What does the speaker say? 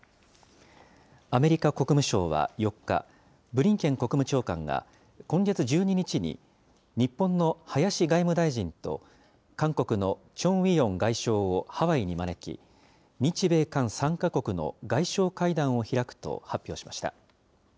アメリカ国務省は４日、ブリンケン国務長官が今月１２日に日本の林外務大臣と、韓国のチョン・ウィヨン外相をハワイに招き、日米韓３か国の外相会談を開くと発表しました。